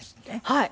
はい。